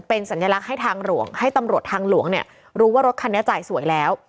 เป็นสัญลักษณ์ให้ทางหลวงให้ตำรวจทางหลวงเนี่ยรู้ว่ารถคันนี้จ่ายสวยแล้ว